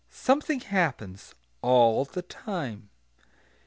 Something happens, all the time.